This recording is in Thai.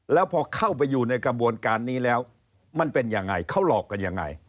แล้วพอเข้าไปอยู่ในกระบวนการนี้แล้วมันเป็นยังไงเขาหลอกกันยังไง